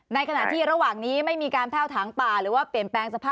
ในขณะที่ระหว่างนี้ไม่มีการแพ่วถังป่าหรือว่าเปลี่ยนแปลงสภาพ